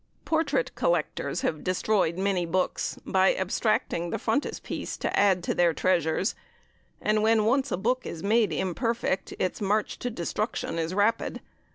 Portrait collectors have destroyed many books by abstracting the frontispiece to add to their treasures, and when once a book is made imperfect, its march to destruction is rapid.